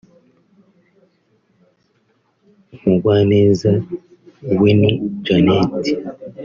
Umugwaneza Winnie Janet